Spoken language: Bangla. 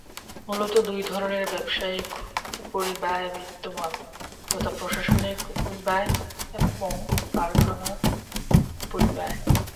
মূলত দুই ধরনের ব্যবসায়িক উপরিব্যয় বিদ্যমান, যথা প্রশাসনিক উপরিব্যয় এবং কারখানা উপরিব্যয়।